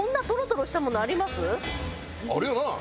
あるよな？